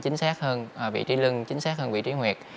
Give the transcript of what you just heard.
chính xác hơn vị trí lưng chính xác hơn vị trí nguyệt